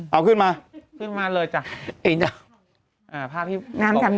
เอาขึ้นมาขึ้นมาเลยจ้ะไอ้น้ำน้ำทำได้ครับ